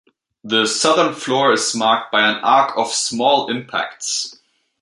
The southern floor is marked by an arc of small impacts.